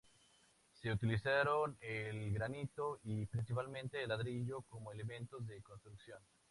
Se utilizaron el granito y principalmente el ladrillo como elementos de construcción.